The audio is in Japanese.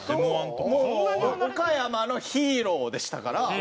もう岡山のヒーローでしたから。